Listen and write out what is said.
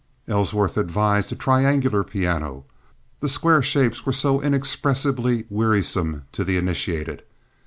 Ellsworth advised a triangular piano—the square shapes were so inexpressibly wearisome to the initiated.